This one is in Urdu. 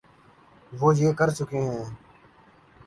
وہ یہ کر چکے ہیں۔